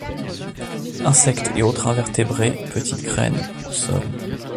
Insectes et autres invertébrés, petites graines, au sol.